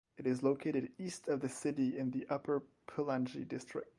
It is located east of the city in the Upper Pulangi District.